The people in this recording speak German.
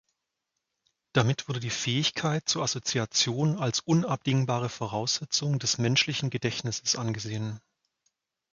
Damit wurde die Fähigkeit zur Assoziation als unabdingbare Voraussetzung des menschlichen Gedächtnisses angesehen.